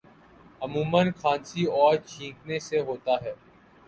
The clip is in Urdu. عموماً کھانسی اور چھینکنے سے ہوتا ہے